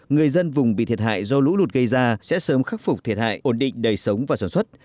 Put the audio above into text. người dân vùng bị thiệt hại do lũ lụt gây ra sẽ sớm khắc phục thiệt hại ổn định đời sống và sản xuất